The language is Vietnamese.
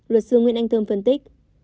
luật sư nguyên anh thơm phân tích